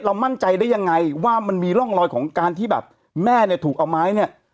มั่นใจได้ยังไงว่ามันมีร่องรอยของการที่แบบแม่เนี่ยถูกเอาไม้เนี่ย